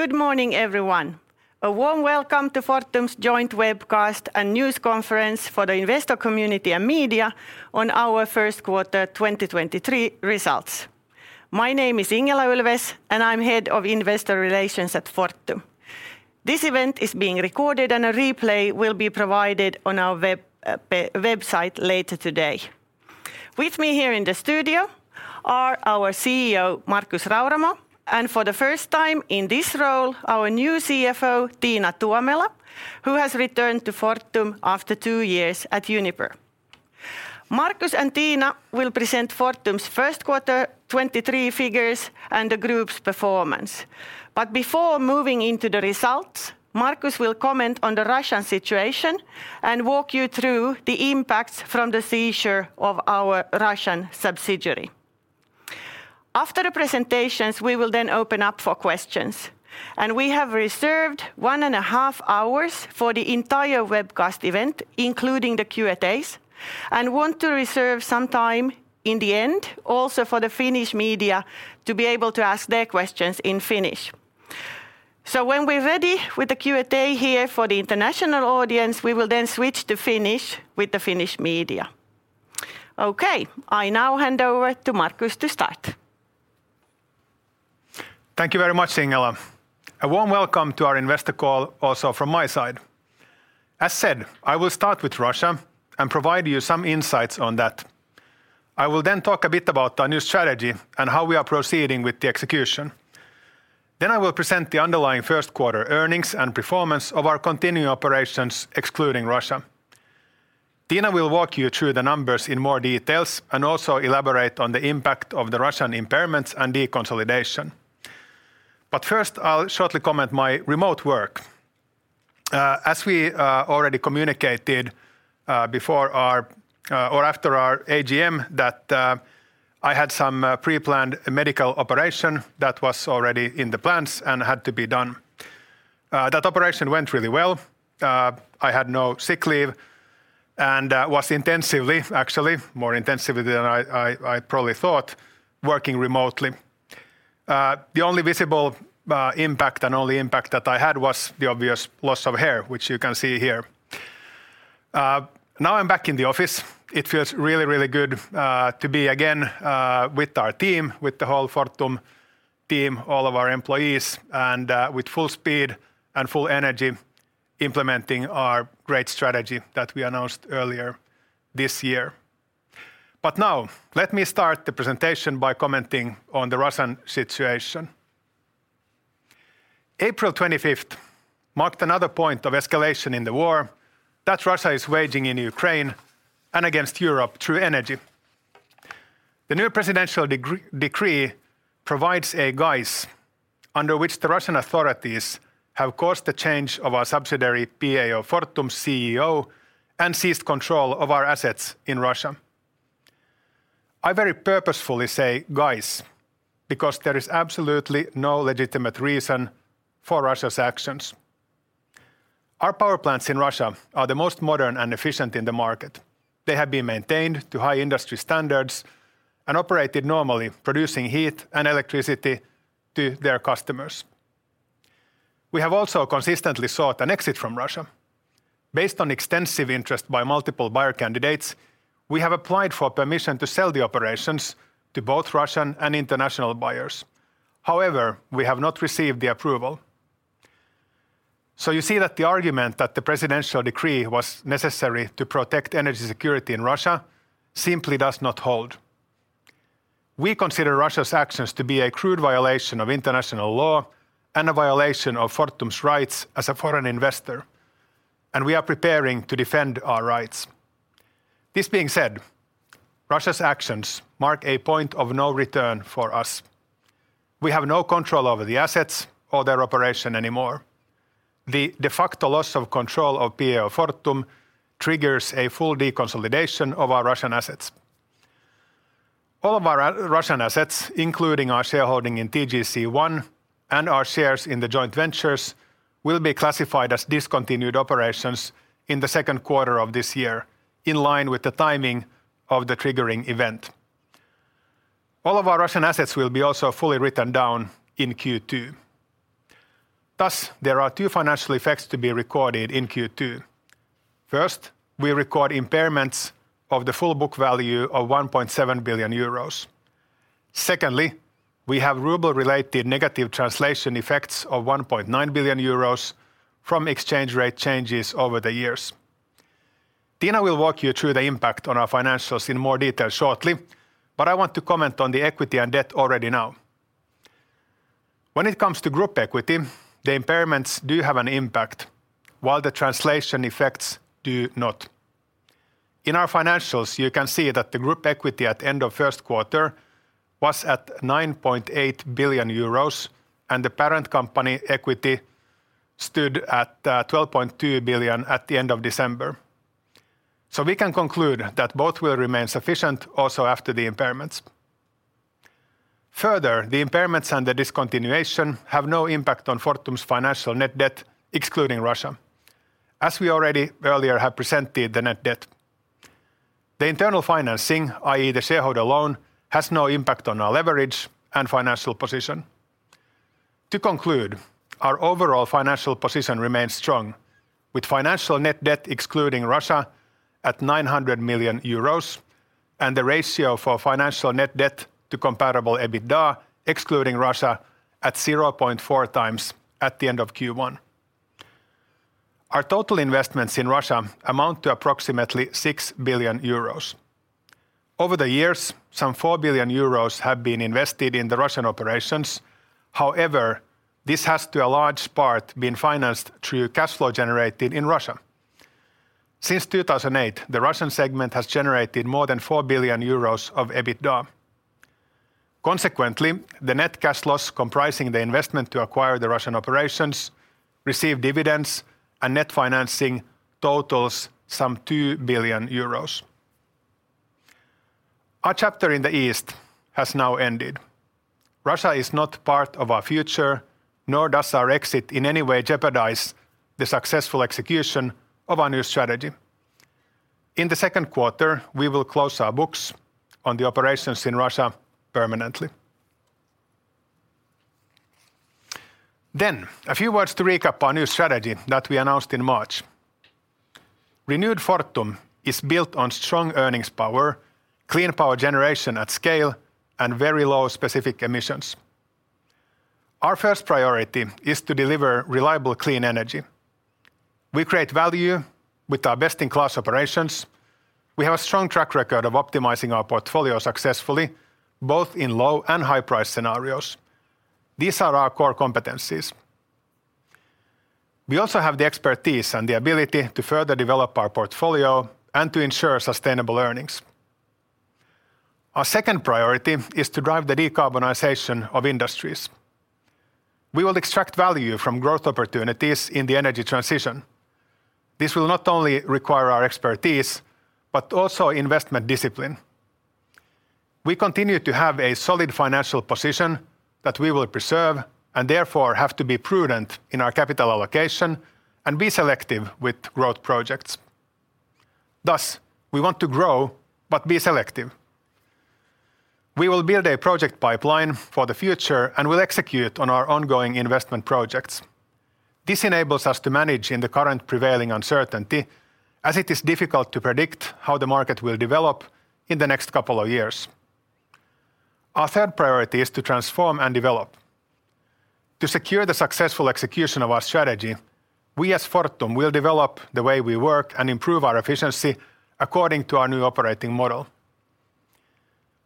Good morning, everyone. A warm welcome to Fortum's Joint Webcast and News Conference For the Investor Community And Media On Our First Quarter 2023 results. My name is Ingela Ulfves, and I'm Head of Investor Relations at Fortum. This event is being recorded and a replay will be provided on our website later today. With me here in the studio are our CEO Markus Rauramo, and for the first time in this role, our new CFO Tiina Tuomela, who has returned to Fortum after two years at Uniper. Markus and Tiina will present Fortum's first quarter 23 figures and the group's performance. Before moving into the results, Markus will comment on the Russian situation and walk you through the impacts from the seizure of our Russian subsidiary. After the presentations, we will then open up for questions, and we have reserved ONE and a half hours for the entire webcast event, including the Q&As, and want to reserve some time in the end also for the Finnish media to be able to ask their questions in Finnish. When we're ready with the Q&A here for the international audience, we will then switch to Finnish with the Finnish media. Okay, I now hand over to Markus to start. Thank you very much, Ingela. A warm welcome to our investor call also from my side. As said, I will start with Russia and provide you some insights on that. I will then talk a bit about our new strategy and how we are proceeding with the execution. I will then present the underlying first quarter earnings and performance of our continuing operations excluding Russia. Tiina will walk you through the numbers in more details and also elaborate on the impact of the Russian impairments and deconsolidation. First, I'll shortly comment my remote work. As we already communicated before our or after our AGM that I had some preplanned medical operation that was already in the plans and had to be done. That operation went really well. I had no sick leave and was intensively, actually, more intensively than I probably thought, working remotely. The only visible impact and only impact that I had was the obvious loss of hair, which you can see here. Now I'm back in the office. It feels really, really good to be again with our team, with the whole Fortum team, all of our employees, and with full speed and full energy implementing our great strategy that we announced earlier this year. Let me start the presentation by commenting on the Russian situation. April 25th marked another point of escalation in the war that Russia is waging in Ukraine and against Europe through energy. The new presidential decree provides a guise under which the Russian authorities have caused the change of our subsidiary PAO Fortum's CEO and seized control of our assets in Russia. I very purposefully say guise because there is absolutely no legitimate reason for Russia's actions. Our power plants in Russia are the most modern and efficient in the market. They have been maintained to high industry standards and operated normally, producing heat and electricity to their customers. We have also consistently sought an exit from Russia. Based on extensive interest by multiple buyer candidates, we have applied for permission to sell the operations to both Russian and international buyers. However, we have not received the approval. You see that the argument that the presidential decree was necessary to protect energy security in Russia simply does not hold. We consider Russia's actions to be a crude violation of international law and a violation of Fortum's rights as a foreign investor. We are preparing to defend our rights. This being said, Russia's actions mark a point of no return for us. We have no control over the assets or their operation anymore. The de facto loss of control of PAO Fortum triggers a full deconsolidation of our Russian assets. All of our Russian assets, including our shareholding in TGC-1 and our shares in the joint ventures, will be classified as discontinued operations in the second quarter of this year, in line with the timing of the triggering event. All of our Russian assets will be also fully written down in Q2. There are two financial effects to be recorded in Q2. First, we record impairments of the full book value of 1.7 billion euros. Secondly, we have ruble-related negative translation effects of 1.9 billion euros from exchange rate changes over the years. Tiina will walk you through the impact on our financials in more detail shortly, but I want to comment on the equity and debt already now. When it comes to group equity, the impairments do have an impact, while the translation effects do not. In our financials, you can see that the group equity at end of first quarter was at 9.8 billion euros, and the parent company equity stood at 12.2 billion at the end of December. We can conclude that both will remain sufficient also after the impairments. Further, the impairments and the discontinuation have no impact on Fortum's financial net debt, excluding Russia. As we already earlier have presented the net debt. The internal financing, i.e. the shareholder loan, has no impact on our leverage and financial position. To conclude, our overall financial position remains strong with financial net debt excluding Russia at 900 million euros and the ratio for financial net debt to comparable EBITDA excluding Russia at 0.4x at the end of Q1. Our total investments in Russia amount to approximately 6 billion euros. Over the years, some 4 billion euros have been invested in the Russian operations. However, this has to a large part been financed through cash flow generated in Russia. Since 2008, the Russian segment has generated more than 4 billion euros of EBITDA. Consequently, the net cash flows comprising the investment to acquire the Russian operations, receive dividends, and net financing totals some EUR 2 billion. Our chapter in the East has now ended. Russia is not part of our future, nor does our exit in any way jeopardize the successful execution of our new strategy. In the second quarter, we will close our books on the operations in Russia permanently. A few words to recap our new strategy that we announced in March. Renewed Fortum is built on strong earnings power, clean power generation at scale, and very low specific emissions. Our first priority is to deliver reliable clean energy. We create value with our best-in-class operations. We have a strong track record of optimizing our portfolio successfully, both in low and high price scenarios. These are our core competencies. We also have the expertise and the ability to further develop our portfolio and to ensure sustainable earnings. Our second priority is to drive the decarbonization of industries. We will extract value from growth opportunities in the energy transition. This will not only require our expertise, but also investment discipline. We continue to have a solid financial position that we will preserve and therefore have to be prudent in our capital allocation and be selective with growth projects. Thus, we want to grow but be selective. We will build a project pipeline for the future and will execute on our ongoing investment projects. This enables us to manage in the current prevailing uncertainty as it is difficult to predict how the market will develop in the next couple of years. Our third priority is to transform and develop. To secure the successful execution of our strategy, we as Fortum will develop the way we work and improve our efficiency according to our new operating model.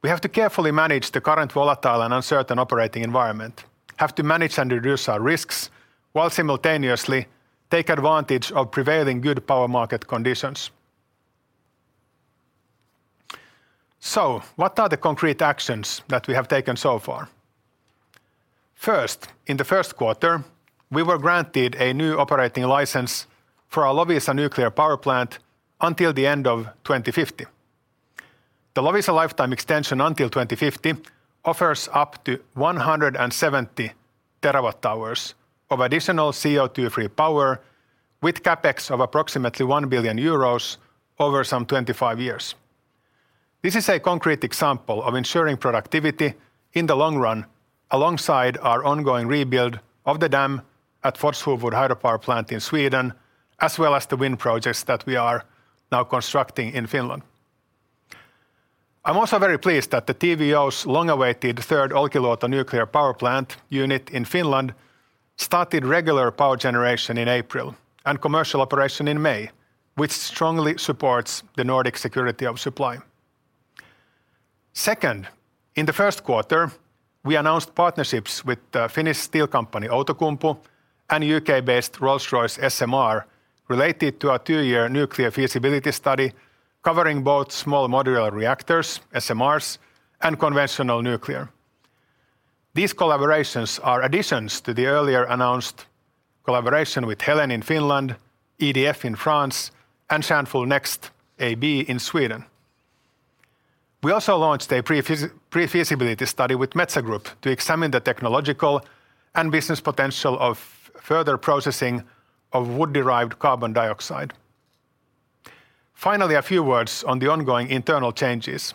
We have to carefully manage the current volatile and uncertain operating environment, have to manage and reduce our risks while simultaneously take advantage of prevailing good power market conditions. What are the concrete actions that we have taken so far? First, in the first quarter, we were granted a new operating license for our Loviisa Nuclear Power Plant until the end of 2050. The Loviisa lifetime extension until 2050 offers up to 170 TWh of additional CO2-free power with CapEx of approximately 1 billion euros over some 25 years. This is a concrete example of ensuring productivity in the long run alongside our ongoing rebuild of the dam at Forshuvud hydropower plant in Sweden, as well as the wind projects that we are now constructing in Finland. I'm also very pleased that the TVO's long-awaited third Olkiluoto Nuclear Power Plant unit in Finland started regular power generation in April and commercial operation in May, which strongly supports the Nordic security of supply. Second, in the first quarter, we announced partnerships with the Finnish steel company Outokumpu and U.K.-based Rolls-Royce SMR related to a two-year nuclear feasibility study covering both small modular reactors, SMRs, and conventional nuclear. These collaborations are additions to the earlier announced collaboration with Helen in Finland, EDF in France, and Sandfjället Next AB in Sweden. We also launched a pre-feasibility study with Metsä Group to examine the technological and business potential of further processing of wood-derived carbon dioxide. Finally, a few words on the ongoing internal changes.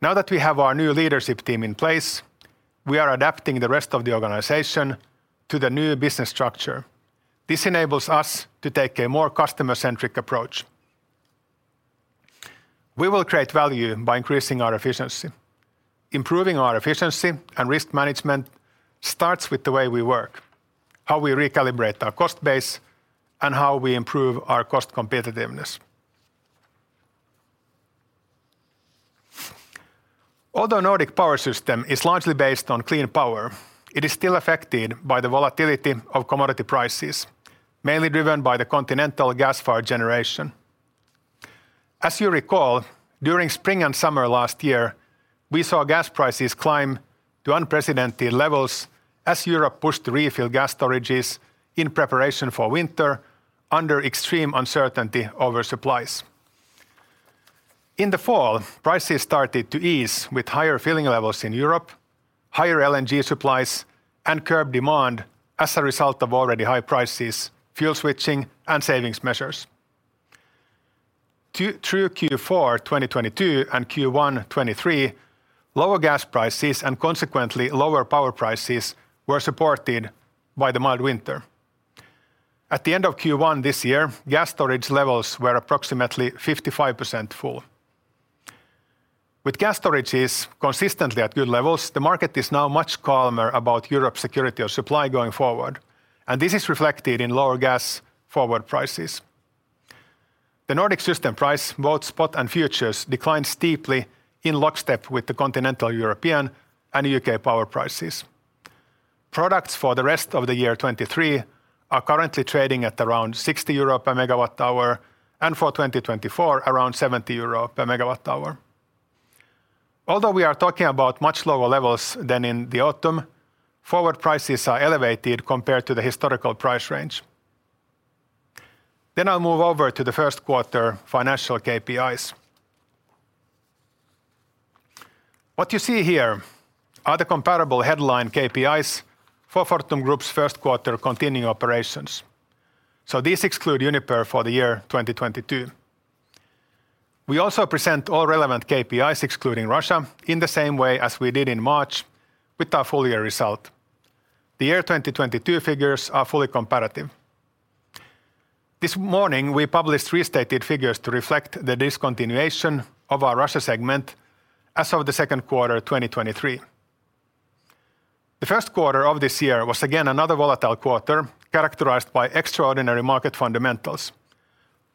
Now that we have our new leadership team in place, we are adapting the rest of the organization to the new business structure. This enables us to take a more customer-centric approach. We will create value by increasing our efficiency. Improving our efficiency and risk management starts with the way we work, how we recalibrate our cost base, and how we improve our cost competitiveness. Although Nordic power system is largely based on clean power, it is still affected by the volatility of commodity prices, mainly driven by the continental gas-fired generation. As you recall, during spring and summer last year, we saw gas prices climb to unprecedented levels as Europe pushed to refill gas storages in preparation for winter under extreme uncertainty over supplies. In the fall, prices started to ease with higher filling levels in Europe, higher LNG supplies and curb demand as a result of already high prices, fuel switching, and savings measures. Through Q4 2022 and Q1 2023, lower gas prices, and consequently lower power prices, were supported by the mild winter. At the end of Q1 this year, gas storage levels were approximately 55% full. With gas storages consistently at good levels, the market is now much calmer about Europe's security of supply going forward, and this is reflected in lower gas forward prices. The Nordic System Price, both spot and futures, declined steeply in lockstep with the continental European and U.K. power prices. Products for the rest of the year 2023 are currently trading at around 60 euro per MWh, and for 2024 around 70 euro per MWh. Although we are talking about much lower levels than in the autumn, forward prices are elevated compared to the historical price range. I'll move over to the first quarter financial KPIs. What you see here are the comparable headline KPIs for Fortum Group's first quarter continuing operations, so these exclude Uniper for the year 2022. We also present all relevant KPIs excluding Russia in the same way as we did in March with our full year result. The year 2022 figures are fully comparative. This morning, we published restated figures to reflect the discontinuation of our Russia segment as of the second quarter 2023. The first quarter of this year was again another volatile quarter characterized by extraordinary market fundamentals.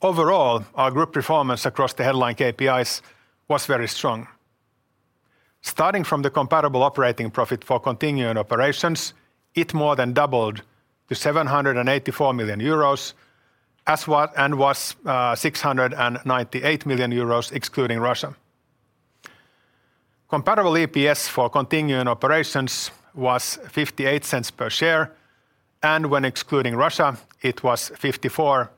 Overall, our group performance across the headline KPIs was very strong. Starting from the comparable operating profit for continuing operations, it more than doubled to 784 million euros, and was 698 million euros excluding Russia. Comparable EPS for continuing operations was 0.58 per share, and when excluding Russia, it was 0.54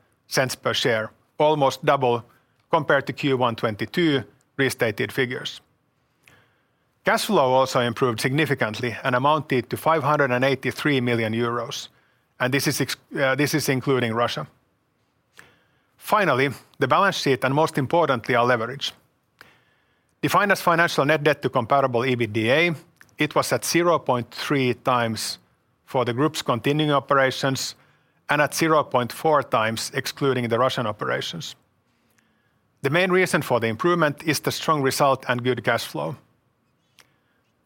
per share, almost double compared to Q1 2022 restated figures. Cash flow also improved significantly and amounted to 583 million euros, and this is including Russia. Finally, the balance sheet, and most importantly, our leverage. Defined as financial net debt to Comparable EBITDA, it was at 0.3x for the group's continuing operations and at 0.4x excluding the Russian operations. The main reason for the improvement is the strong result and good cash flow.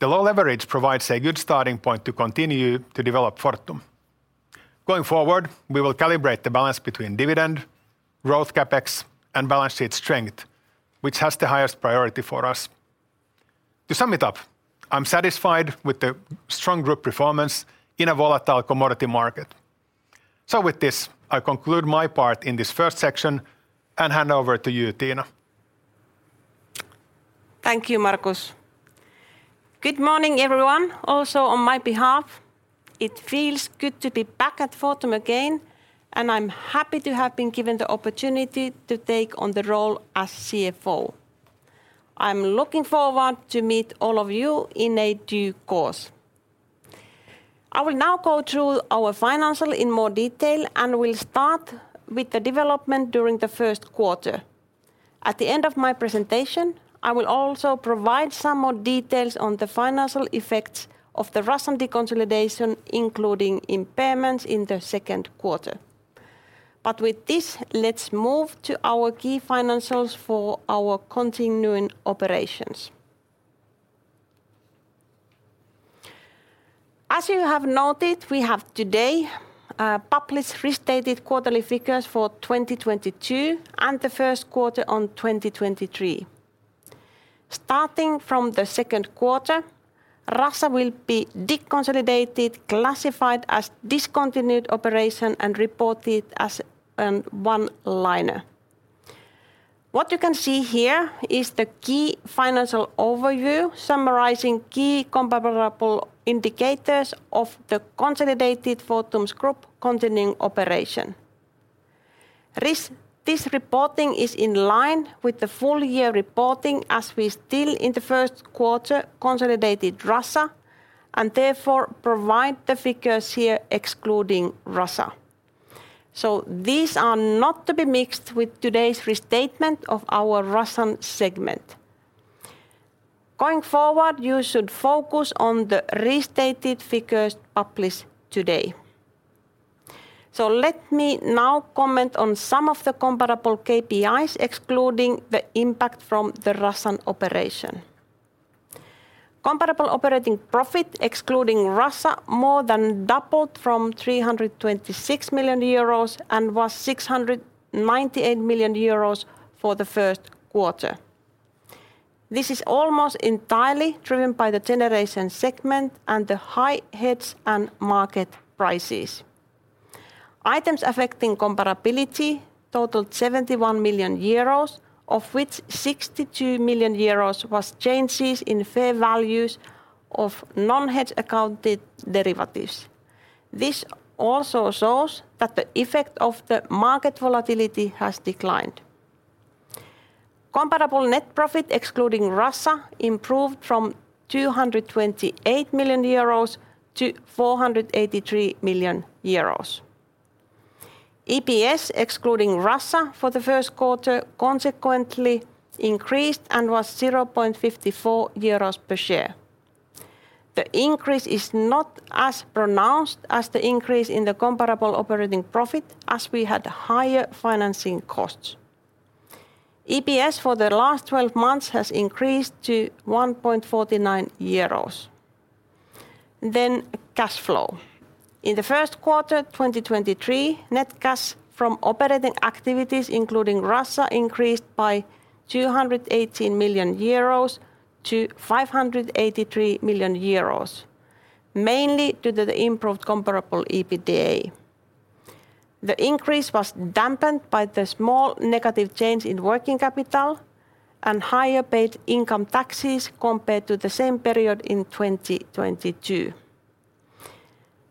The low leverage provides a good starting point to continue to develop Fortum. Going forward, we will calibrate the balance between dividend, growth CapEx, and balance sheet strength, which has the highest priority for us. To sum it up, I'm satisfied with the strong group performance in a volatile commodity market. With this, I conclude my part in this first section and hand over to you, Tiina. Thank you, Markus. Good morning, everyone. Also on my behalf, it feels good to be back at Fortum again. I'm happy to have been given the opportunity to take on the role as CFO. I'm looking forward to meet all of you in a due course. I will now go through our financial in more detail, and will start with the development during the first quarter. At the end of my presentation, I will also provide some more details on the financial effects of the Russian deconsolidation, including impairments in the second quarter. With this, let's move to our key financials for our continuing operations. As you have noted, we have today published restated quarterly figures for 2022 and the first quarter on 2023. Starting from the second quarter, Russia will be deconsolidated, classified as discontinued operation, and reported as one liner. What you can see here is the key financial overview summarizing key comparable indicators of the consolidated Fortum Group continuing operation. This reporting is in line with the full year reporting as we still in the first quarter consolidated Russia, and therefore provide the figures here excluding Russia. These are not to be mixed with today's restatement of our Russian segment. Going forward, you should focus on the restated figures published today. Let me now comment on some of the comparable KPIs excluding the impact from the Russian operation. Comparable operating profit excluding Russia more than doubled from 326 million euros and was 698 million euros for the first quarter. This is almost entirely driven by the generation segment and the high hedge and market prices. Items affecting comparability totaled 71 million euros, of which 62 million euros was changes in fair values of non-hedge accounted derivatives. This also shows that the effect of the market volatility has declined. Comparable net profit excluding Russia improved from 228 million-483 million euros. EPS excluding Russia for the first quarter consequently increased and was 0.54 euros per share. The increase is not as pronounced as the increase in the comparable operating profit, as we had higher financing costs. EPS for the last 12 months has increased to 1.49 euros. Cash flow. In the first quarter 2023, net cash from operating activities including Russia increased by 218 million-583 million euros, mainly due to the improved Comparable EBITDA. The increase was dampened by the small negative change in working capital and higher paid income taxes compared to the same period in 2022.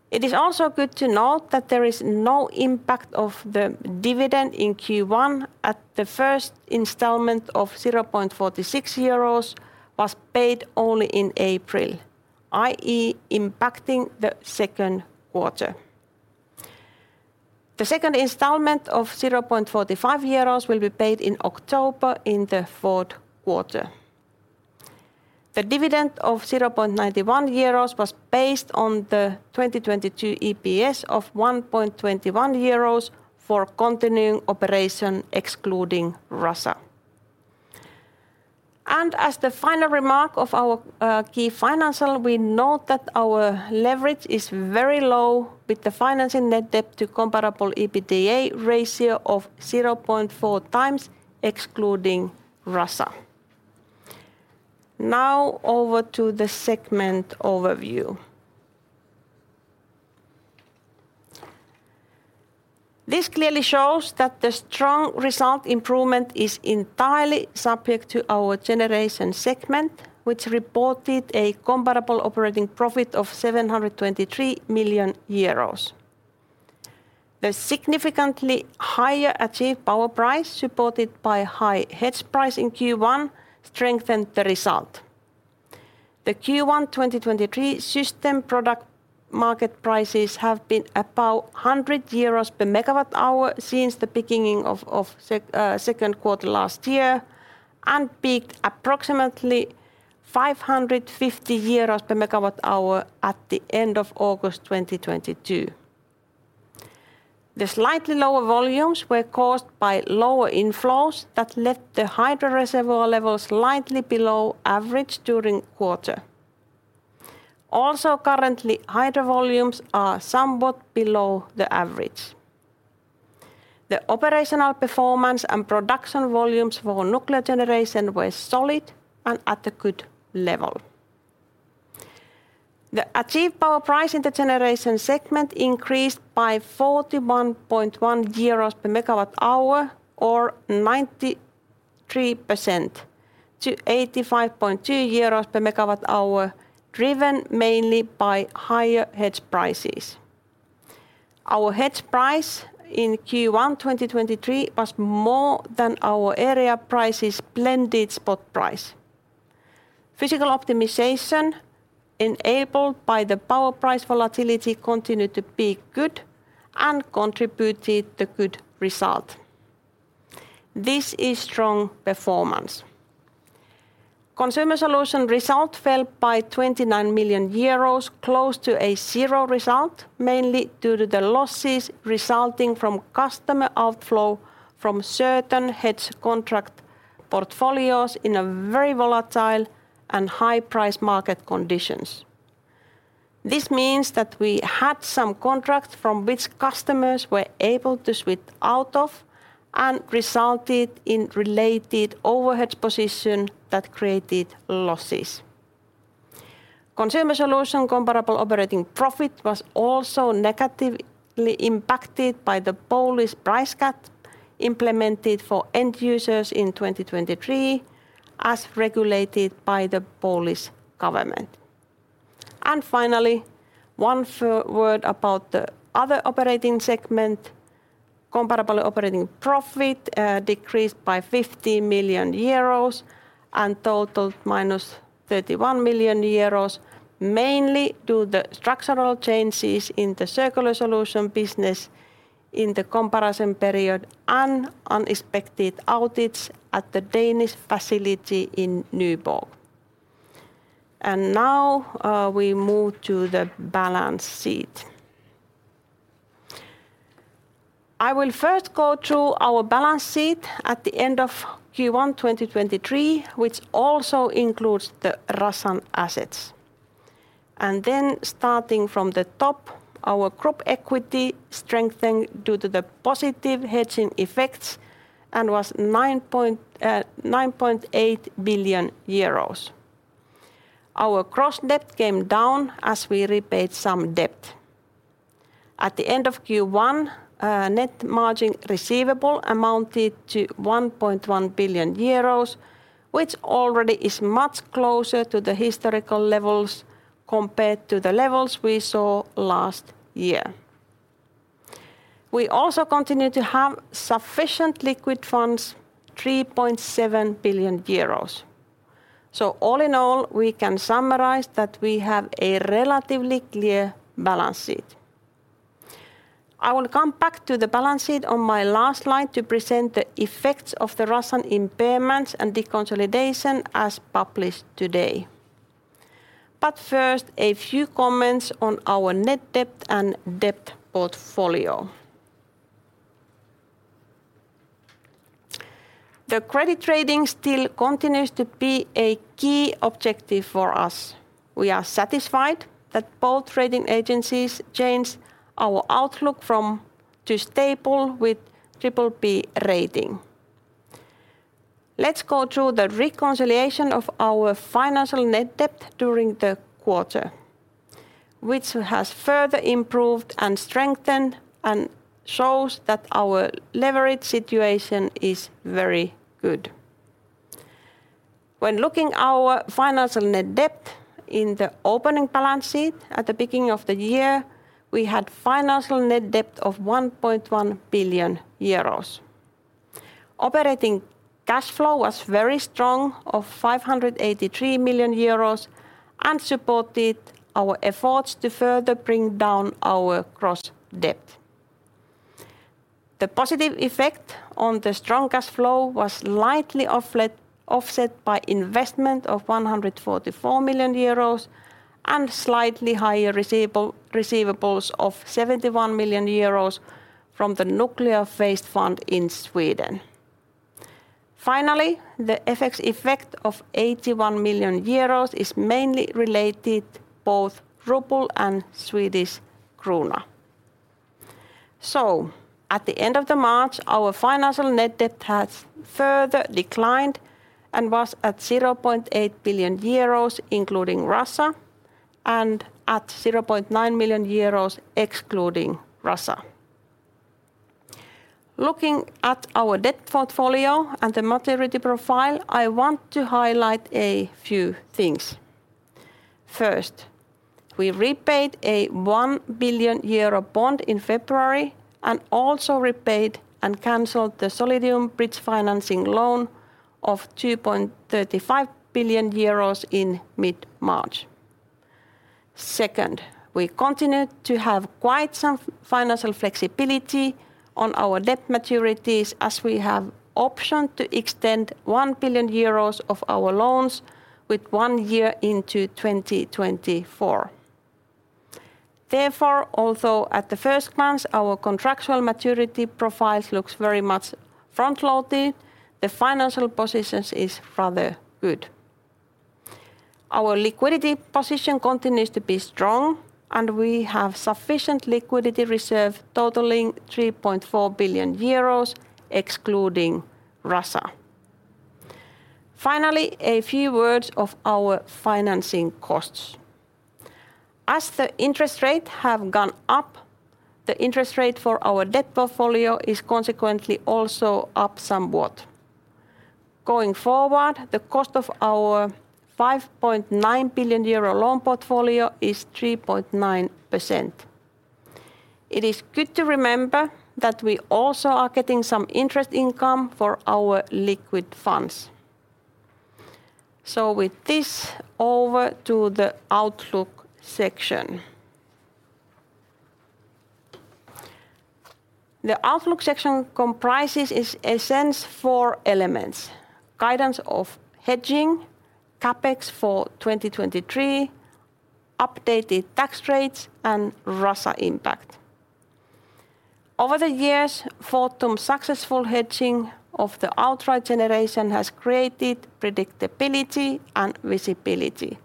It is also good to note that there is no impact of the dividend in Q1, at the first installment of 0.46 euros was paid only in April, i.e., impacting the second quarter. The second installment of 0.45 euros will be paid in October in the fourth quarter. The dividend of 0.91 euros was based on the 2022 EPS of 1.21 euros for continuing operation excluding Russia. As the final remark of our key financial, we note that our leverage is very low, with the financial net debt to Comparable EBITDA ratio of 0.4x excluding Russia. Now over to the segment overview. This clearly shows that the strong result improvement is entirely subject to our generation segment, which reported a comparable operating profit of 723 million euros. The significantly higher achieved power price, supported by high hedge price in Q1, strengthened the result. The Q1 2023 system product market prices have been about 100 euros per MWh since the beginning of second quarter last year, and peaked approximately 550 euros per MWh at the end of August 2022. The slightly lower volumes were caused by lower inflows that left the hydro reservoir level slightly below average during quarter. Currently, hydro volumes are somewhat below the average. The operational performance and production volumes for nuclear generation were solid and at a good level. The achieved power price in the generation segment increased by 41.1 euros per MWh or 93% to 85.2 euros per megawatt hour, driven mainly by higher hedge prices. Our hedge price in Q1 2023 was more than our area price's blended spot price. Physical optimization enabled by the power price volatility continued to be good and contributed the good result. This is strong performance. Consumer solution result fell by 29 million euros, close to a zero result, mainly due to the losses resulting from customer outflow from certain hedge contract portfolios in a very volatile and high price market conditions. This means that we had some contracts from which customers were able to switch out of and resulted in related overhead position that created losses. Consumer solution Comparable operating profit was also negatively impacted by the Polish price cap implemented for end users in 2023 as regulated by the Polish government. Finally, one word about the other operating segment. Comparable operating profit decreased by 50 million euros and totaled -31 million euros, mainly due to the structural changes in the circular solution business in the comparison period and unexpected outage at the Danish facility in Nyborg. Now, we move to the balance sheet. I will first go through our balance sheet at the end of Q1 2023, which also includes the Russian assets. Starting from the top, our group equity strengthened due to the positive hedging effects and was 9.8 billion euros. Our gross debt came down as we repaid some debt. At the end of Q1, net margin receivable amounted to 1.1 billion euros, which already is much closer to the historical levels compared to the levels we saw last year. We also continue to have sufficient liquid funds, 3.7 billion euros. All in all, we can summarize that we have a relatively clear balance sheet. I will come back to the balance sheet on my last slide to present the effects of the recent impairments and deconsolidation as published today. First, a few comments on our net debt and debt portfolio. The credit rating still continues to be a key objective for us. We are satisfied that both rating agencies changed our outlook to stable with BBB rating. Let's go through the reconciliation of our financial net debt during the quarter, which has further improved and strengthened and shows that our leverage situation is very good. When looking our financial net debt in the opening balance sheet at the beginning of the year, we had financial net debt of 1.1 billion euros. Operating cash flow was very strong, of 583 million euros, supported our efforts to further bring down our gross debt. The positive effect on the strong cash flow was slightly offset by investment of 144 million euros and slightly higher receivables of 71 million euros from the Nuclear Waste Fund in Sweden. The FX effect of 81 million euros is mainly related both Ruble and Swedish Krona. At the end of the March, our financial net debt has further declined and was at 0.8 billion euros, including Russia, and at 0.9 million euros excluding Russia. Looking at our debt portfolio and the maturity profile, I want to highlight a few things. First, we repaid a 1 billion euro bond in February and also repaid and canceled the Solidium bridge financing loan of 2.35 billion euros in mid-March. Second, we continued to have quite some financial flexibility on our debt maturities as we have option to extend 1 billion euros of our loans with one year into 2024. Although at the first glance our contractual maturity profile looks very much front-loaded, the financial positions is rather good. Our liquidity position continues to be strong, and we have sufficient liquidity reserve totaling 3.4 billion euros, excluding Russia. Finally, a few words of our financing costs. As the interest rate have gone up, the interest rate for our debt portfolio is consequently also up somewhat. Going forward, the cost of our 5.9 billion euro loan portfolio is 3.9%. It is good to remember that we also are getting some interest income for our liquid funds. With this, over to the outlook section. The outlook section comprises, in essence, four elements: guidance of hedging, CapEx for 2023, updated tax rates, and Russia impact. Over the years, Fortum's successful hedging of the outright generation has created predictability and visibility.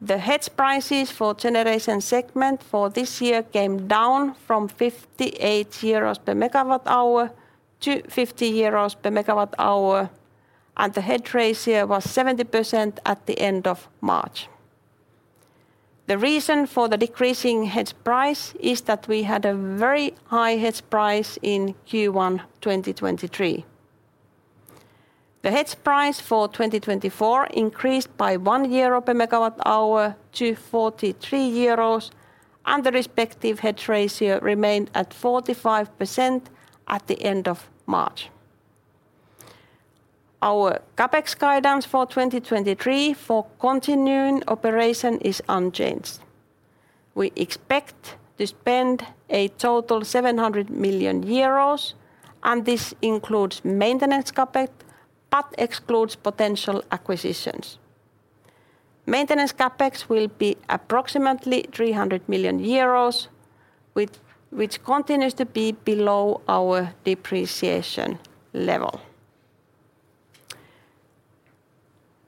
The hedge prices for generation segment for this year came down from 58 euros per MWh to 50 euros per megawatt hour, and the hedge ratio was 70% at the end of March. The reason for the decreasing hedge price is that we had a very high hedge price in Q1 2023. The hedge price for 2024 increased by 1 euro per MWh to 43 euros, the respective hedge ratio remained at 45% at the end of March. Our CapEx guidance for 2023 for continuing operation is unchanged. We expect to spend a total 700 million euros, and this includes maintenance CapEx, but excludes potential acquisitions. Maintenance CapEx will be approximately 300 million euros, which continues to be below our depreciation level.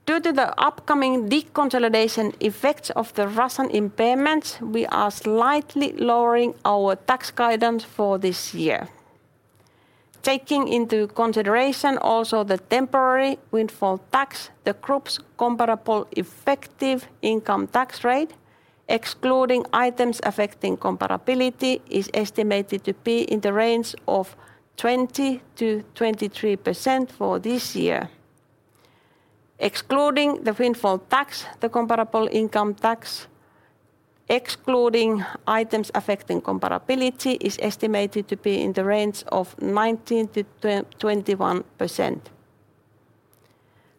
Due to the upcoming deconsolidation effects of the Russian impairments, we are slightly lowering our tax guidance for this year. Taking into consideration also the temporary windfall tax, the group's comparable effective income tax rate, excluding items affecting comparability, is estimated to be in the range of 20%-23% for this year. Excluding the windfall tax, the comparable income tax excluding items affecting comparability is estimated to be in the range of 19%-21%.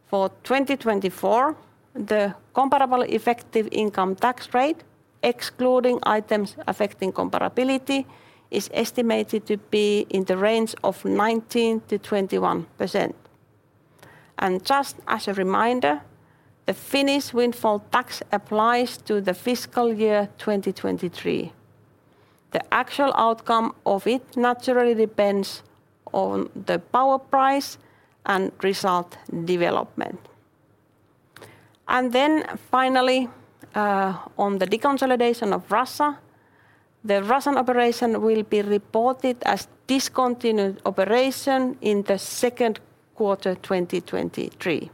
For 2024, the comparable effective income tax rate excluding items affecting comparability is estimated to be in the range of 19%-21%. Just as a reminder, the Finnish windfall tax applies to the fiscal year 2023. The actual outcome of it naturally depends on the power price and result development. Finally, on the deconsolidation of Russia, the Russian operation will be reported as discontinued operation in the second quarter, 2023.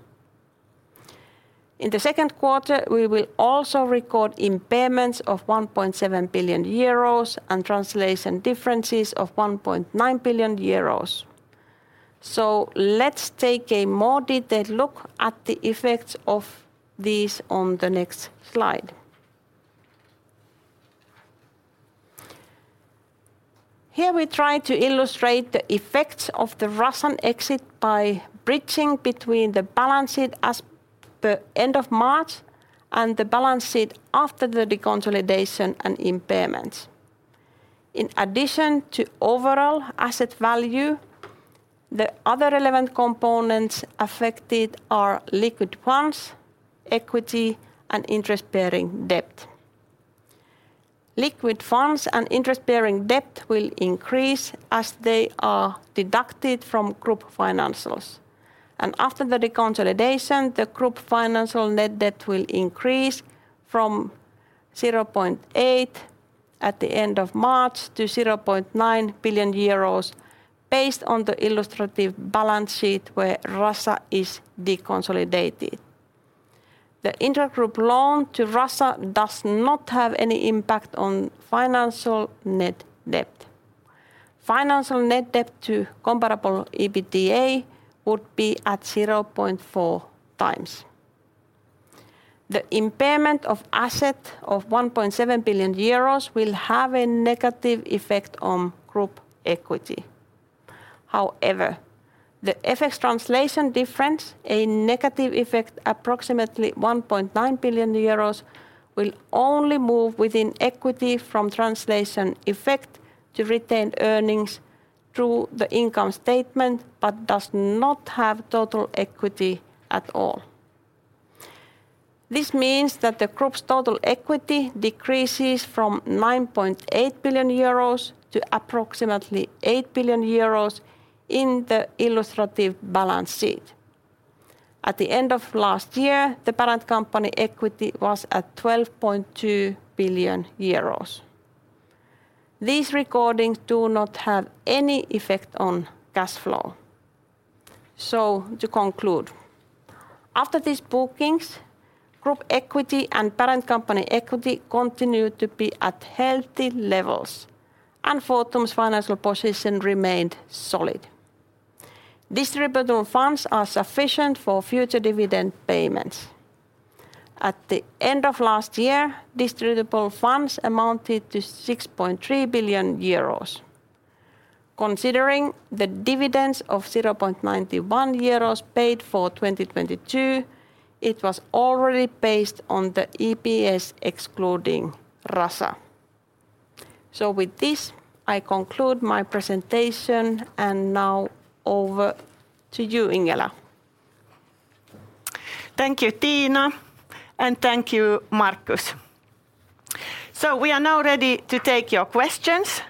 In the second quarter, we will also record impairments of 1.7 billion euros and translation differences of 1.9 billion euros. Let's take a more detailed look at the effects of these on the next slide. Here we try to illustrate the effects of the Russian exit by bridging between the balance sheet as the end of March and the balance sheet after the deconsolidation and impairments. In addition to overall asset value, the other relevant components affected are liquid funds, equity, and interest-bearing debt. Liquid funds and interest-bearing debt will increase as they are deducted from group financials. After the deconsolidation, the group financial net debt will increase from 0.8 at the end of March to 0.9 billion euros based on the illustrative balance sheet where Russia is deconsolidated. The intragroup loan to Russia does not have any impact on financial net debt. Financial net debt to comparable EBITDA would be at 0.4x. The impairment of asset of 1.7 billion euros will have a negative effect on group equity. The FX translation difference, a negative effect approximately 1.9 billion euros, will only move within equity from translation effect to retained earnings through the income statement but does not have total equity at all. This means that the group's total equity decreases from 9.8 billion euros to approximately 8 billion euros in the illustrative balance sheet. At the end of last year, the parent company equity was at 12.2 billion euros. These recordings do not have any effect on cash flow. To conclude, after these bookings, group equity and parent company equity continue to be at healthy levels, and Fortum's financial position remained solid. Distributable funds are sufficient for future dividend payments. At the end of last year, distributable funds amounted to 6.3 billion euros. Considering the dividends of 0.91 euros paid for 2022, it was already based on the EPS excluding Russia. With this, I conclude my presentation. Now over to you, Ingela. Thank you, Tiina, and thank you, Markus. We are now ready to take your questions.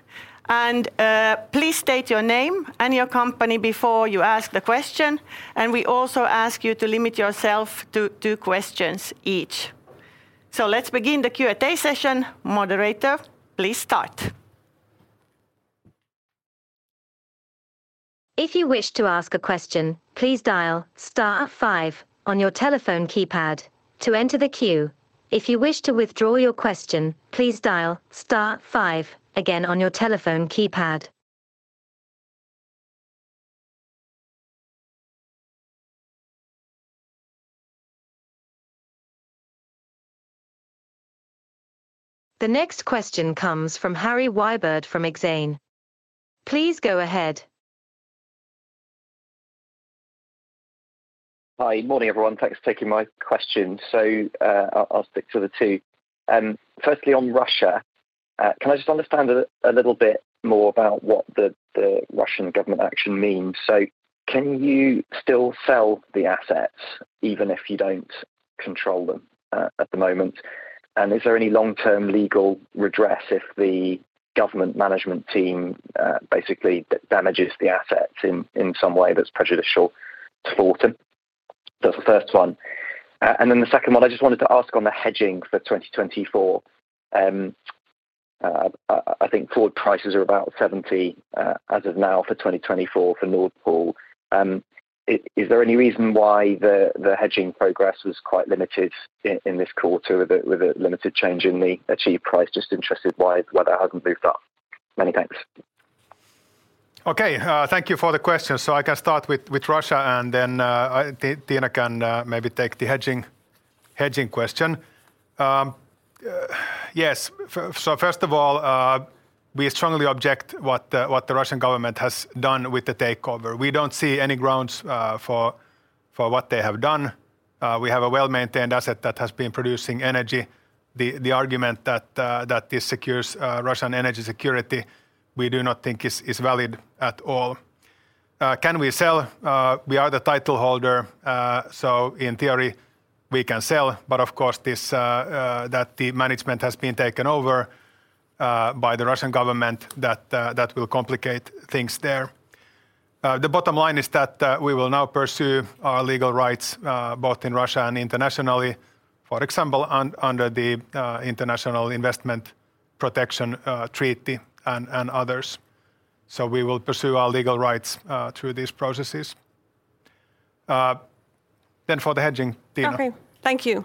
Please state your name and your company before you ask the question. We also ask you to limit yourself to two questions each. Let's begin the Q&A session. Moderator, please start. If you wish to ask a question, please dial star five on your telephone keypad to enter the queue. If you wish to withdraw your question, please dial star five again on your telephone keypad. The next question comes from Harry Wyburd from Exane. Please go ahead. Hi. Morning, everyone. Thanks for taking my question. I'll stick to the two. Firstly, on Russia, can I just understand a little bit more about what the Russian government action means? Can you still sell the assets even if you don't control them at the moment? Is there any long-term legal redress if the government management team basically damages the assets in some way that's prejudicial to Fortum? That's the first one. The second one, I just wanted to ask on the hedging for 2024. I think forward prices are about 70 as of now for 2024 for Nord Pool. Is there any reason why the hedging progress was quite limited in this quarter with a limited change in the achieved price? Just interested why that hasn't moved up? Many thanks. Okay, thank you for the question. I can start with Russia, and then Tiina can maybe take the hedging question. Yes. First of all, we strongly object what the Russian government has done with the takeover. We don't see any grounds for what they have done. We have a well-maintained asset that has been producing energy. The argument that this secures Russian energy security, we do not think is valid at all. Can we sell? We are the title holder. So in theory, we can sell, but of course this, that the management has been taken over by the Russian government, that will complicate things there. The bottom line is that we will now pursue our legal rights, both in Russia and internationally, for example, under the International Investment Protection Treaty and others. We will pursue our legal rights through these processes. For the hedging, Tiina. Okay. Thank you.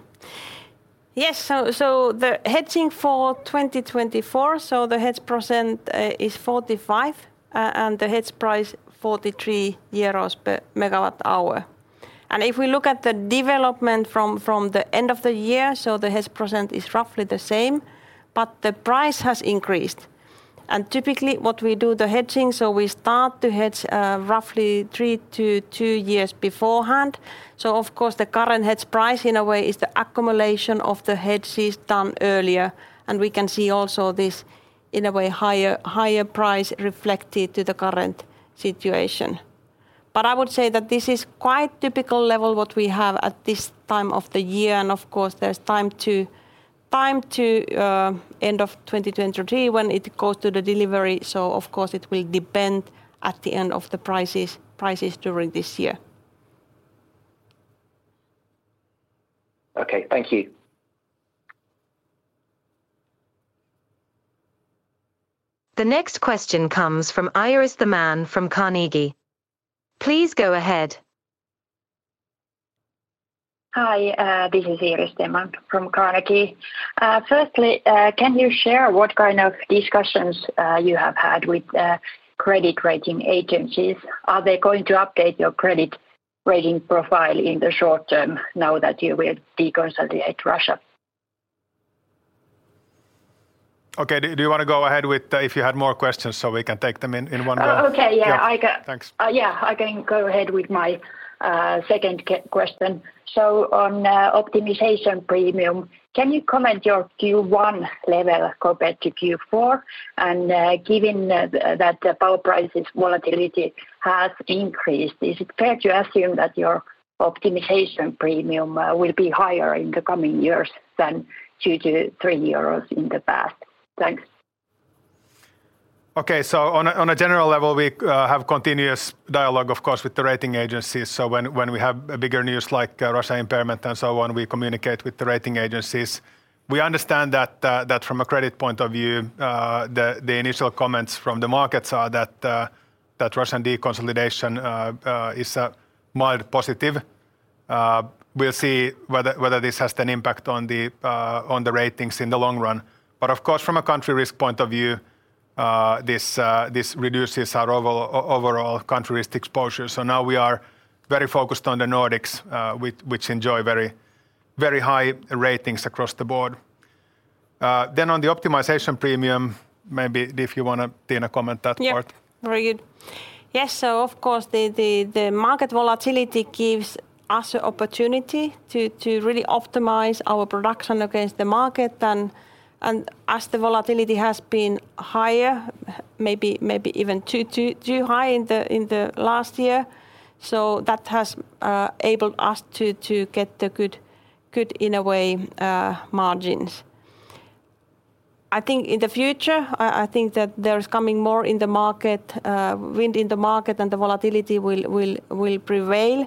Yes, the hedging for 2024, the hedge percent is 45, and the hedge price 43 euros per MWh. If we look at the development from the end of the year, the hedge percent is roughly the same, but the price has increased. Typically, what we do the hedging, we start to hedge roughly three to two years beforehand. Of course, the current hedge price, in a way, is the accumulation of the hedges done earlier. We can see also this, in a way, higher price reflected to the current situation. I would say that this is quite typical level what we have at this time of the year. Of course, there's time to end of 2023 when it goes to the delivery. Of course it will depend at the end of the prices during this year. Okay. Thank you. The next question comes from Iiris Theman from Carnegie. Please go ahead. Hi, this is Iiris Theman from Carnegie. Firstly, can you share what kind of discussions, you have had with, credit rating agencies? Are they going to update your credit rating profile in the short term now that you will deconsolidate Russia? Okay. Do you wanna go ahead with, if you had more questions, we can take them in one go? Oh, okay. Yeah. Yeah. I can-. Thanks. Yeah, I can go ahead with my second question. On optimization premium, can you comment your Q1 level compared to Q4? Given that the power prices volatility has increased, is it fair to assume that your optimization premium will be higher in the coming years than 2-3 euros in the past? Thanks. Okay. On a general level, we have continuous dialogue, of course, with the rating agencies. When we have a bigger news like Russia impairment and so on, we communicate with the rating agencies. We understand that from a credit point of view, the initial comments from the markets are that Russian deconsolidation is a mild positive. We'll see whether this has an impact on the ratings in the long run. Of course, from a country risk point of view, this reduces our overall country risk exposure. Now we are very focused on the Nordics, which enjoy very, very high ratings across the board. On the optimization premium, maybe if you wanna, Tiina, comment that part. Yeah. Very good. Yes. Of course, the market volatility gives us an opportunity to really optimize our production against the market. As the volatility has been higher, maybe even too high in the last year, so that has enabled us to get the good, in a way, margins. I think in the future, I think that there's coming more in the market, wind in the market and the volatility will prevail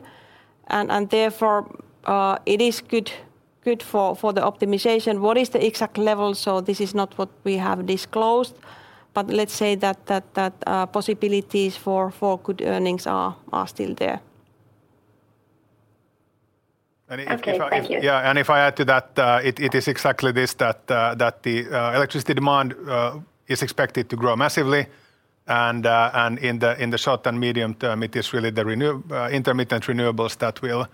and therefore it is good for the optimization. What is the exact level? This is not what we have disclosed, but let's say that possibilities for good earnings are still there. Okay. Thank you. Yeah. If I add to that, it is exactly this, that the electricity demand is expected to grow massively. In the short and medium term, it is really the intermittent renewables that will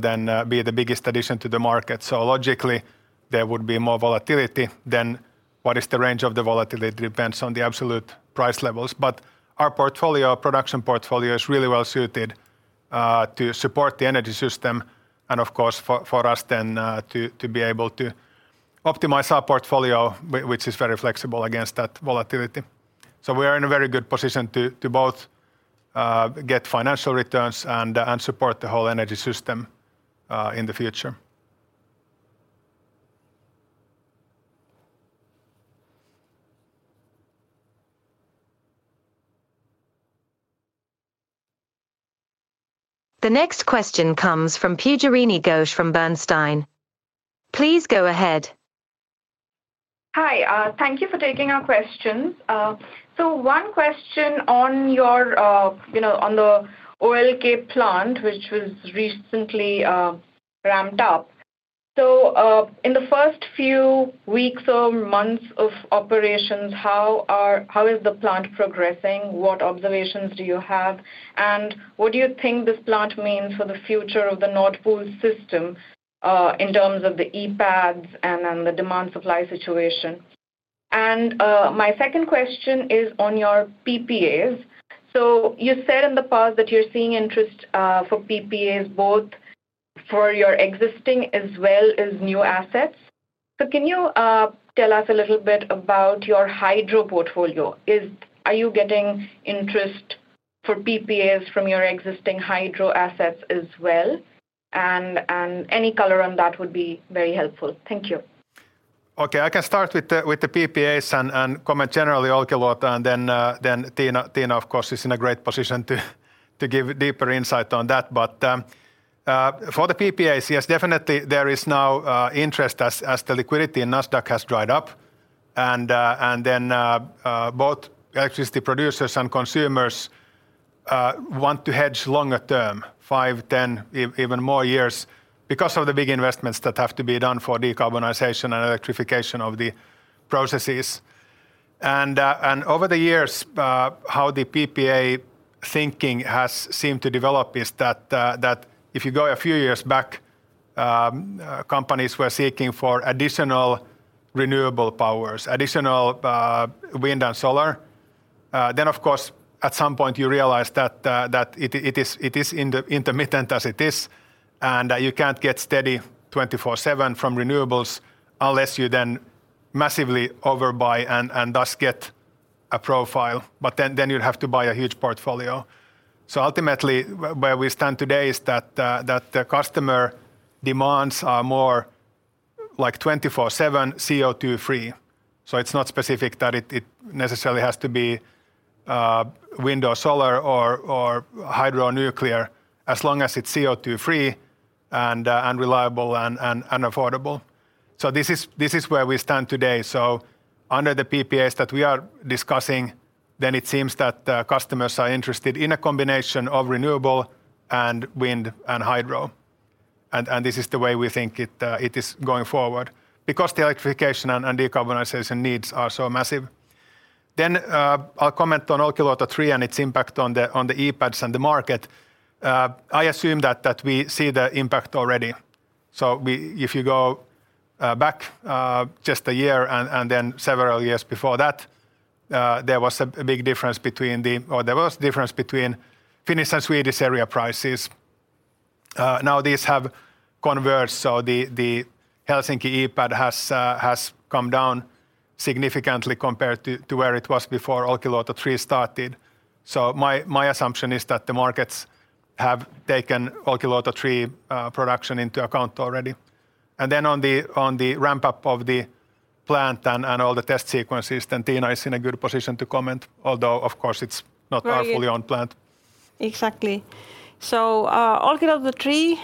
then be the biggest addition to the market. Logically, there would be more volatility than what is the range of the volatility. It depends on the absolute price levels. Our portfolio, production portfolio, is really well suited to support the energy system and of course for us then, to be able to optimize our portfolio which is very flexible against that volatility. We are in a very good position to both, get financial returns and support the whole energy system in the future. The next question comes from Pujarini Ghosh from Bernstein. Please go ahead. Hi. Thank you for taking our questions. One question on your, you know, on the OLK plant, which was recently, ramped up. In the first few weeks or months of operations, how is the plant progressing? What observations do you have, and what do you think this plant means for the future of the Nord Pool system, in terms of the EPADs and then the demand supply situation? My second question is on your PPAs. You said in the past that you're seeing interest for PPAs, both for your existing as well as new assets. Can you tell us a little bit about your hydro portfolio? Are you getting interest for PPAs from your existing hydro assets as well? And any color on that would be very helpful. Thank you. I can start with the PPAs and comment generally Olkiluoto and then Tiina of course is in a great position to give deeper insight on that. For the PPAs, yes, definitely there is now interest as the liquidity in Nasdaq has dried up and then both electricity producers and consumers want to hedge longer term,, 10, even more years because of the big investments that have to be done for decarbonization and electrification of the processes. Over the years, how the PPA thinking has seemed to develop is that if you go a few years back, companies were seeking for additional renewable powers, additional wind and solar. Of course, at some point you realize that it is intermittent as it is, and you can't get steady 24/7 from renewables unless you then massively overbuy and thus get a profile. You'd have to buy a huge portfolio. Ultimately, where we stand today is that the customer demands are more like 24/7 CO₂ free. It's not specific that it necessarily has to be wind or solar or hydro or nuclear, as long as it's CO₂ free and reliable and affordable. This is where we stand today. Under the PPAs that we are discussing, it seems that customers are interested in a combination of renewable and wind and hydro. This is the way we think it is going forward because the electrification and decarbonization needs are so massive. I'll comment on Olkiluoto 3 and its impact on the EPADs and the market. I assume that we see the impact already. If you go back just a year and then several years before that, there was a big difference between Finnish and Swedish area prices. Now these have converged, so the Helsinki EPAD has come down significantly compared to where it was before Olkiluoto 3 started. My assumption is that the markets have taken Olkiluoto 3 production into account already. Then on the ramp-up of the plant and all the test sequences, then Tiina is in a good position to comment, although of course it's not our fully owned plant. Exactly. Olkiluoto 3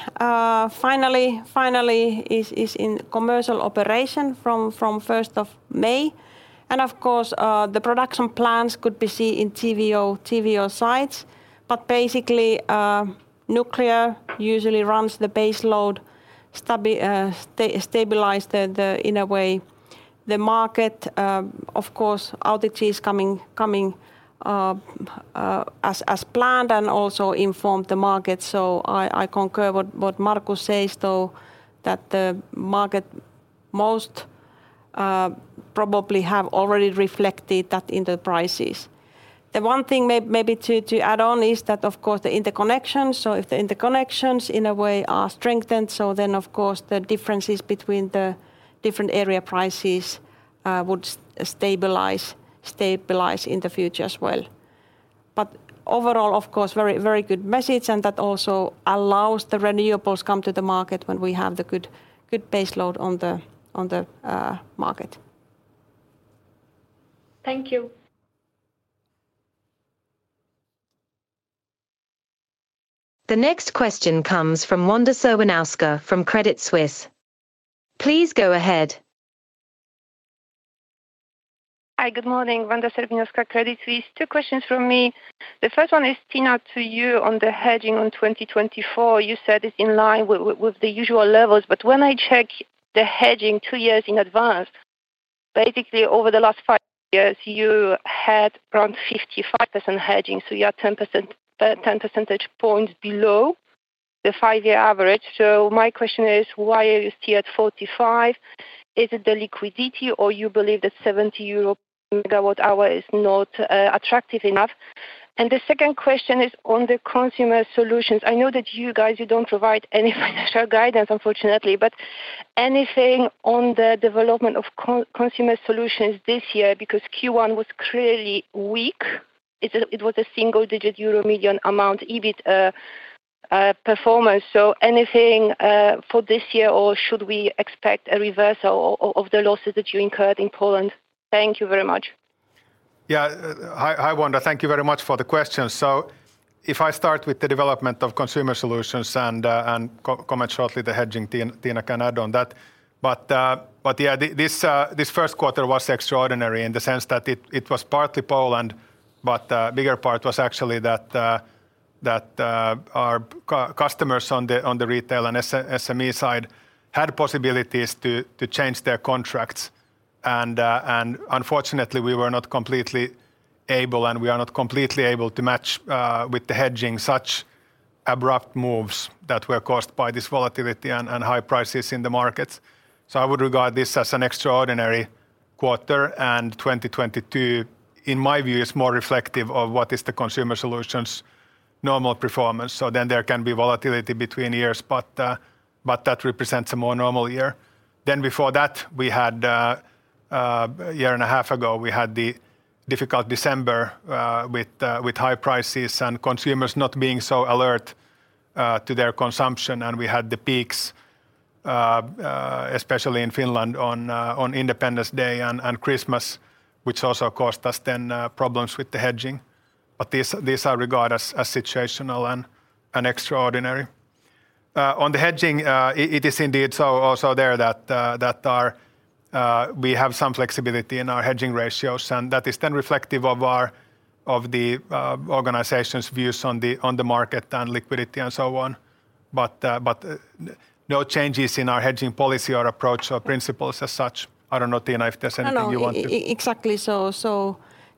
finally is in commercial operation from first of May. Of course, the production plans could be seen in TVO sites. Basically, nuclear usually runs the base load, stabilize the in a way the market. Of course, outage is coming as planned and also informed the market. I concur what Markus says, though, that the market most probably have already reflected that in the prices. The one thing maybe to add on is that of course the interconnections, if the interconnections in a way are strengthened, then of course the differences between the different area prices would stabilize in the future as well. Overall, of course, very good message and that also allows the renewables come to the market when we have the good base load on the market. Thank you. The next question comes from Wanda Serwinowska from Credit Suisse. Please go ahead. Hi, good morning. Wanda Serwinowska, Credit Suisse. Two questions from me. The first one is Tiina to you on the hedging on 2024. You said it's in line with the usual levels. When I check the hedging two years in advance, basically over the last five years you had around 55% hedging, you are 10 percentage points below the five year average. My question is, why are you still at 45? Is it the liquidity or you believe that 70 euro MWh is not attractive enough? The second question is on the consumer solutions. I know that you guys, you don't provide any financial guidance unfortunately, anything on the development of consumer solutions this year? Q1 was clearly weak. It was a single digit EUR million amount, EBIT performance. Anything, for this year, or should we expect a reversal of the losses that you incurred in Poland? Thank you very much. Hi, Wanda. Thank you very much for the question. If I start with the development of consumer solutions and co-comment shortly the hedging team, Tiina can add on that. This first quarter was extraordinary in the sense that it was partly Poland, but bigger part was actually that our customers on the retail and SME side had possibilities to change their contracts. Unfortunately we were not completely able, and we are not completely able to match with the hedging such abrupt moves that were caused by this volatility and high prices in the markets. I would regard this as an extraordinary quarter, and 2022, in my view, is more reflective of what is the consumer solutions normal performance. There can be volatility between years, but that represents a more normal year. Before that, we had a year and a half ago, we had the difficult December, with high prices and consumers not being so alert to their consumption. We had the peaks, especially in Finland on Independence Day and Christmas, which also caused us then problems with the hedging. These, these I regard as situational and extraordinary. On the hedging, it is indeed so also there that our, we have some flexibility in our hedging ratios, and that is then reflective of our, of the organization's views on the market and liquidity and so on. no changes in our hedging policy or approach or principles as such. I don't know, Tiina, if there's anything you want to. No, no. Exactly. So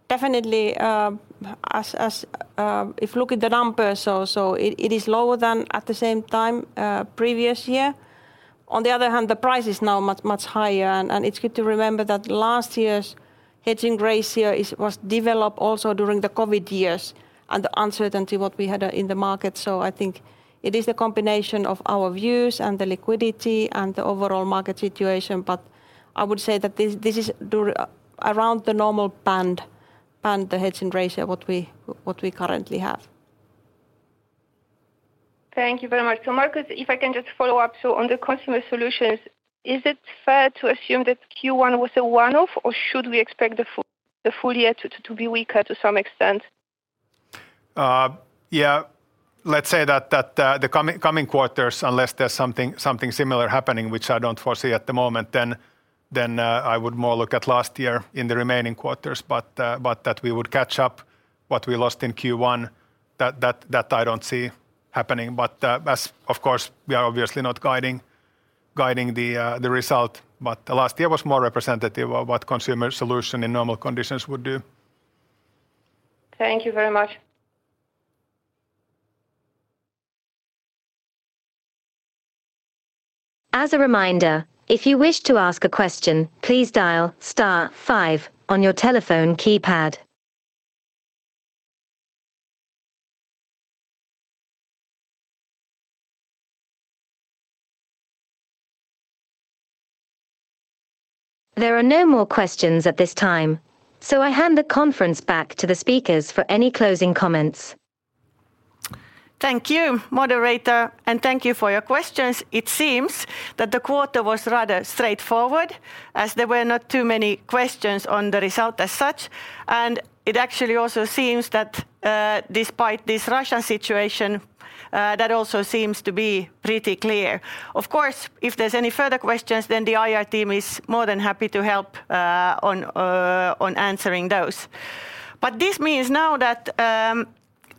definitely, as if look at the numbers, so it is lower than at the same time previous year. On the other hand, the price is now much, much higher and it's good to remember that last year's hedging ratio is, was developed also during the COVID years and the uncertainty what we had in the market. I think it is a combination of our views and the liquidity and the overall market situation. I would say that this is around the normal band, the hedging ratio what we currently have. Thank you very much. Markus, if I can just follow up. On the consumer solutions, is it fair to assume that Q1 was a one-off or should we expect the full year to be weaker to some extent? Yeah. Let's say that the coming quarters unless there's something similar happening which I don't foresee at the moment then I would more look at last year in the remaining quarters. That we would catch up what we lost in Q1 that I don't see happening. As of course we are obviously not guiding the result, but last year was more representative of what consumer solution in normal conditions would do. Thank you very much. As a reminder, if you wish to ask a question, please dial star five on your telephone keypad. There are no more questions at this time. I hand the conference back to the speakers for any closing comments. Thank you, moderator, and thank you for your questions. It seems that the quarter was rather straightforward as there were not too many questions on the result as such. It actually also seems that despite this Russian situation, that also seems to be pretty clear. Of course, if there's any further questions, the IR team is more than happy to help on answering those. This means now that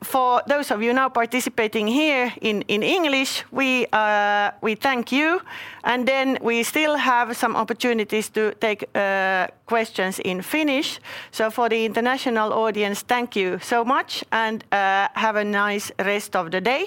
for those of you now participating here in English, we thank you. We still have some opportunities to take questions in Finnish. For the international audience, thank you so much and have a nice rest of the day.